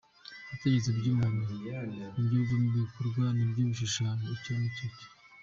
Ibitekerezo by’umuntu ni byo bivamo ibikorwa, ni byo bishushanyo icyo uri cyo.